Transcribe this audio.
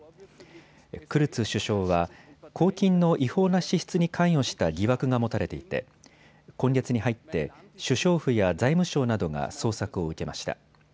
クルツ首相は公金の違法な支出に関与した疑惑が持たれていて今月に入って首相府や財務省などが捜索を受けました。